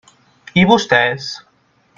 I vostès?